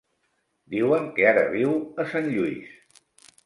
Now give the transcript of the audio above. Diuen que ara viu a Sant Lluís.